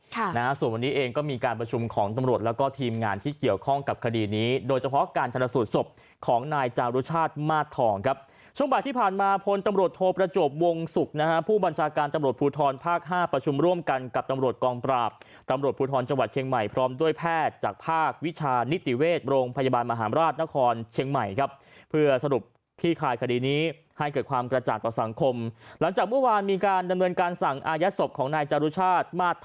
ค่ะส่วนวันนี้เองก็มีการประชุมของตำรวจและการประชุมของทีมงานที่เกี่ยวข้องกับ